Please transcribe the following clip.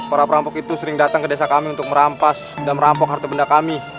para perampok itu sering datang ke desa kami untuk merampas dan merampok harta benda kami